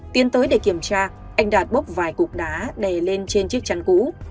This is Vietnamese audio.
tiến tới để kiểm tra anh đạt bốc vài cục đá đè lên trên chiếc chăn cũ